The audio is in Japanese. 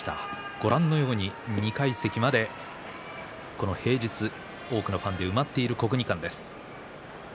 ご覧のように２階席まで平日に多くのファンで埋まっている国技館です。